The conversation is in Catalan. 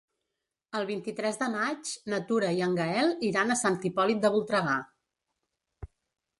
El vint-i-tres de maig na Tura i en Gaël iran a Sant Hipòlit de Voltregà.